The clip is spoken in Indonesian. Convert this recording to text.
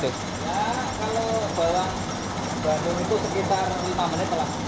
kalau bawang bandung itu sekitar lima menit lah